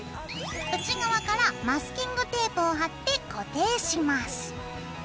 内側からマスキングテープを貼って固定します。